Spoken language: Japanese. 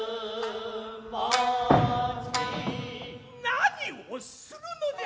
何をするのじゃ。